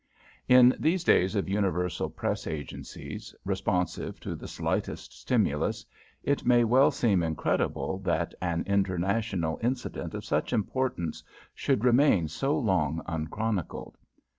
In these days of universal press agencies, responsive to the slightest stimulus, it may well seem incredible that an international incident of such importance should remain so long unchronicled.